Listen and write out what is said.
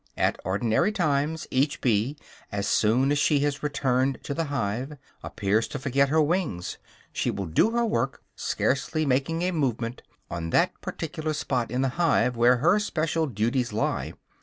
At ordinary times, each bee, as soon as she has returned to the hive, appears to forget her wings; she will do her work, scarcely making a movement, on that particular spot in the hive where her special duties lie.